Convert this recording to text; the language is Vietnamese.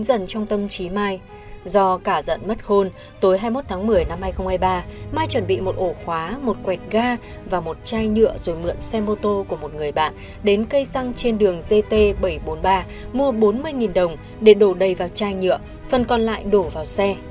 dần trong tâm trí mai do cả giận mất khôn tối hai mươi một tháng một mươi năm hai nghìn hai mươi ba mai chuẩn bị một ổ khóa một quẹt ga và một chai nhựa rồi mượn xe mô tô của một người bạn đến cây xăng trên đường gt bảy trăm bốn mươi ba mua bốn mươi đồng để đổ đầy vào chai nhựa phần còn lại đổ vào xe